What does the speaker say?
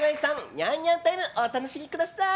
ニャンニャンタイムお楽しみください！